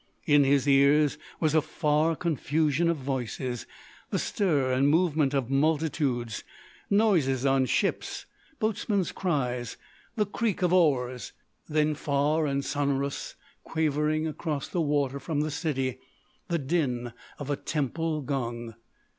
In his ears was a far confusion of voices—the stir and movement of multitudes—noises on ships, boatmen's cries, the creak of oars. Then, far and sonorous, quavering across the water from the city, the din of a temple gong.